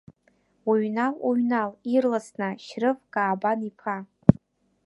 Уҩнал, уҩнал, ирласны, Шьрыф Каабан-иԥа.